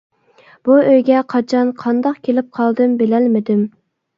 بۇ ئۆيگە قاچان، قانداق كېلىپ قالدىم، بىلەلمىدىم.